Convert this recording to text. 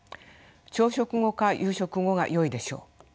朝食後か夕食後がよいでしょう。